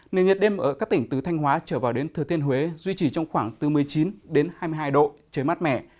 nền nhiệt đêm ở các tỉnh từ thanh hóa trở vào đến thừa thiên huế duy trì trong khoảng từ một mươi chín hai mươi hai độ trời mát mẻ